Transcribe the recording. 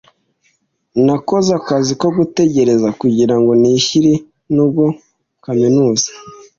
Nakoze akazi ko gutegereza kugirango nishyire nubwo kaminuza.